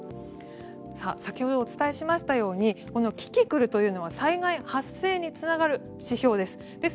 先ほどお伝えしましたようにキキクルというのは災害発生につながる指標です。